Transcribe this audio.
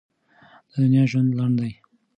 د دنیا ژوند لنډ دی.